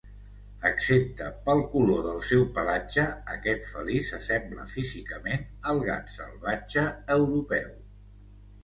Excepte pel color del seu pelatge, aquest felí s'assembla físicament al gat salvatge europeu.